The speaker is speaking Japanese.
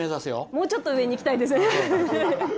もうちょっと上にいきたいですね。